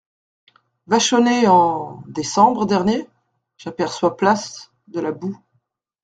Vachonnet En … décembre dernier … j'aperçois place de la Bou …